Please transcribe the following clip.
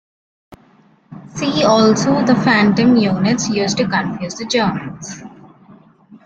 See also the "phantom" units used to confuse the Germans.